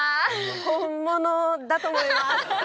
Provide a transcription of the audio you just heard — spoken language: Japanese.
本物だと思います。